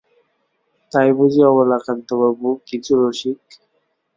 তাই বুঝি অবলাকান্তবাবু কিছু– রসিক।